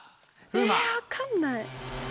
えぇ分かんない。